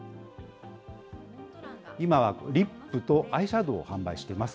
今はリップとアイシャドーを販売しています。